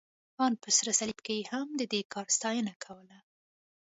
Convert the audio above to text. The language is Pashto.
ان په سره صلیب کې هم، د دې کار ستاینه یې کوله.